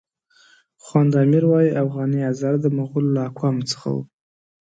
خواند امیر وایي اوغاني هزاره د مغولو له اقوامو څخه وو.